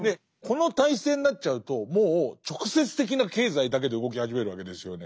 この体制になっちゃうともう直接的な経済だけで動き始めるわけですよね。